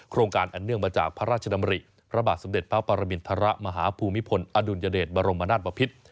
การอันเนื่องมาจากพระราชดำริพระบาทสมเด็จพระปรมินทรมาฮภูมิพลอดุลยเดชบรมนาศบพิษ